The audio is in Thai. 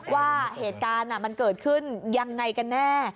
ว่าเหตุการณ์มันเกิดขึ้นยังไงกันแน่